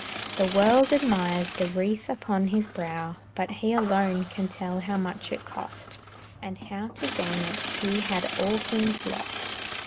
The world admires the wreath upon his brow, But he alone can tell how much it cost, And how to gain it he had all things lost.